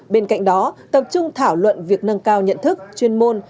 bên cạnh đó tập trung thảo luận việc nâng cao nhận thức chuyên môn